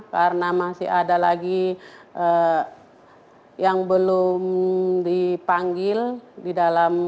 karena masih ada lagi yang belum dipanggil